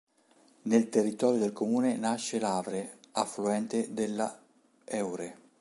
Nel territorio del comune nasce l'Avre, affluente della Eure.